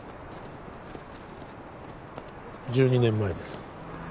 １２年前です